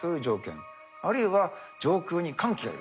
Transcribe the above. あるいは上空に寒気がいると。